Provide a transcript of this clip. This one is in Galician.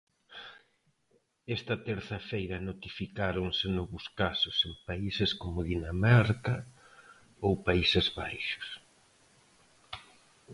Esta terza feira notificáronse novos casos en países como Dinamarca ou Países Baixos.